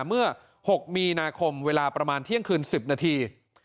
เมื่อ๖มีนาคมเวลาประมาณเที่ยงคืน๑๐นาที